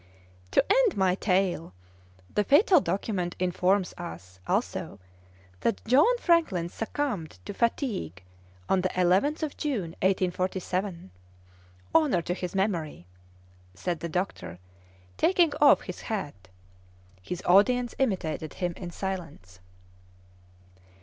"To end my tale, the fatal document informs us also that John Franklin succumbed to fatigue on the 11th of June, 1847. Honour to his memory!" said the doctor, taking off his hat. His audience imitated him in silence.